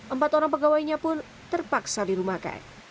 empat orang pegawainya pun terpaksa dirumahkan